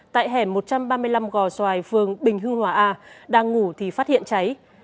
tại hẻm một trăm ba mươi năm gò xoài phường bình hưng hòa a đang ngủ thì phát hiện cháy